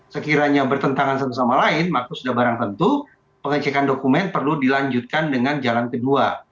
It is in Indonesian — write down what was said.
sekiranya bertentangan satu sama lain maka sudah barang tentu pengecekan dokumen perlu dilanjutkan dengan jalan kedua